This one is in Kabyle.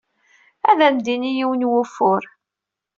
Ad am-d-tini yiwen n wufur.